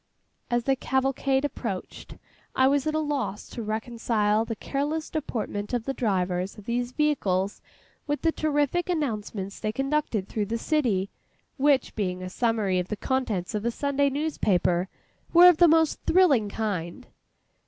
As the cavalcade approached, I was at a loss to reconcile the careless deportment of the drivers of these vehicles, with the terrific announcements they conducted through the city, which being a summary of the contents of a Sunday newspaper, were of the most thrilling kind.